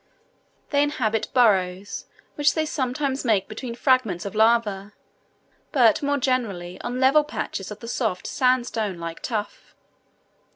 They inhabit burrows, which they sometimes make between fragments of lava, but more generally on level patches of the soft sandstone like tuff.